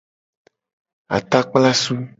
Atakplasu.